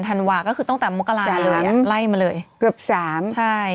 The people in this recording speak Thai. ธันวาก็คือตั้งแต่มกราเลยอ่ะไล่มาเลยเกือบสามใช่